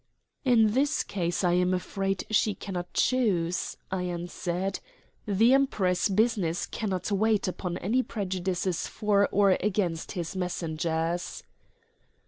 "In this case I am afraid she cannot choose," I answered. "The Emperor's business cannot wait upon any prejudices for or against his messengers."